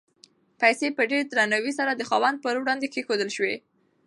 پیسې په ډېر درناوي سره د خاوند په وړاندې کېښودل شوې.